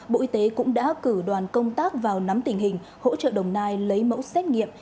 bộ y tế cũng đã cử đoàn công tác vào nắm tình hình hỗ trợ đồng nai lấy mẫu xét nghiệm